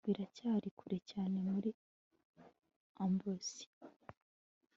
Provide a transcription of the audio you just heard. biracyari kure cyane muri ambrosia